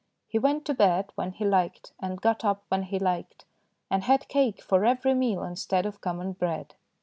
He went to bed when he liked and got up when he liked, and had cake for every meal instead of common bread.